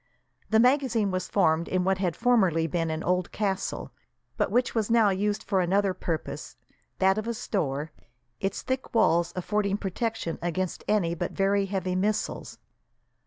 The magazine was formed in what had formerly been an old castle, but which was now used for another purpose, that of a store, its thick walls affording protection against any but very heavy missiles.